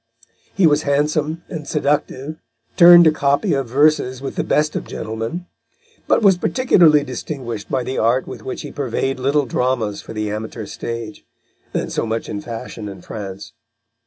He was handsome and seductive, turned a copy of verses with the best of gentlemen, but was particularly distinguished by the art with which he purveyed little dramas for the amateur stage, then so much in fashion in France.